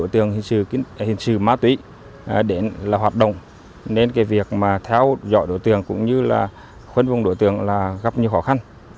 theo hồ sơ của cơ quan công an